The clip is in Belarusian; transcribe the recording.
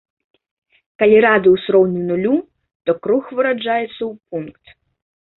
Калі радыус роўны нулю, то круг выраджаецца ў пункт.